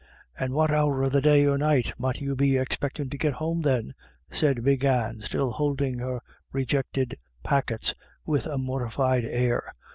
u And what hour of the day or night might you be expectin' to git home then ?" said Big Anne, still holding her rejected packets with a mortified air.